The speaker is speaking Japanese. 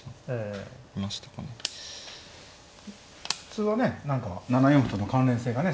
普通はね何か７四歩との関連性がね